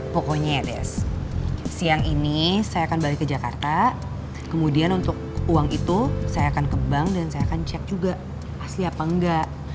pokoknya ya des siang ini saya akan balik ke jakarta kemudian untuk uang itu saya akan ke bank dan saya akan cek juga pasti apa enggak